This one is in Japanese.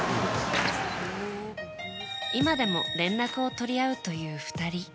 今でも連絡を取り合うという２人。